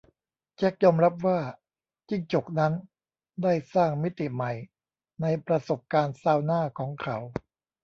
แจ็คยอมรับว่าจิ้งจกนั้นได้สร้างมิติใหม่ในประสบการณ์ซาวน่าของเขา